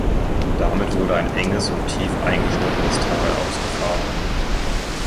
Damit wurde ein enges und tief eingeschnittenes Tal ausgefahren.